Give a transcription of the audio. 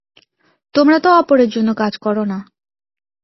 তোমরা তো অপরের জন্য কাজ কর না।